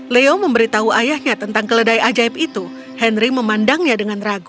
leo memberitahu ayahnya tentang keledai ajaib itu henry memandangnya dengan ragu